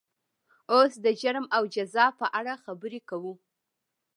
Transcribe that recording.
اوس د جرم او جزا په اړه خبرې کوو.